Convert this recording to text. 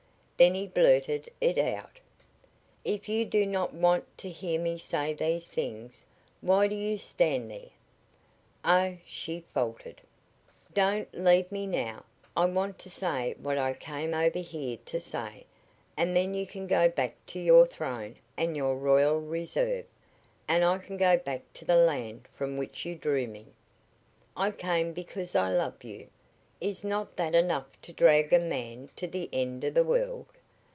Then he blurted it out. "If you do not want to hear me say these things, why do you stand there?" "Oh," she faltered. "Don't leave me now. I want to say what I came over here to say, and then you can go back to your throne and your royal reserve, and I can go back to the land from which you drew me. I came because I love you. Is not that enough to drag a man to the end of the world?